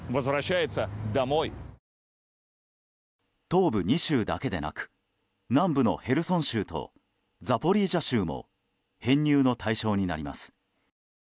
東部２州だけでなく南部のヘルソン州とザポリージャ州も編入の対象になります。